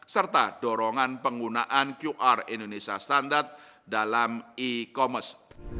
serta dorongan penggunaan qr indonesia standard dalam e commerce